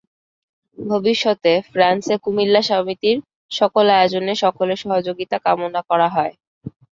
ভবিষ্যতে ফ্রান্সে কুমিল্লা সমিতির সকল আয়োজনে সকলের সহযোগিতা কামনা করা হয়।